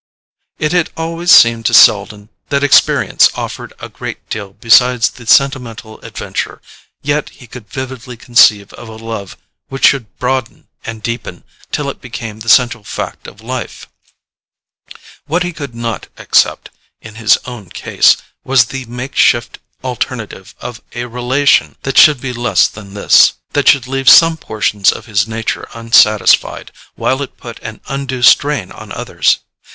It had always seemed to Selden that experience offered a great deal besides the sentimental adventure, yet he could vividly conceive of a love which should broaden and deepen till it became the central fact of life. What he could not accept, in his own case, was the makeshift alternative of a relation that should be less than this: that should leave some portions of his nature unsatisfied, while it put an undue strain on others.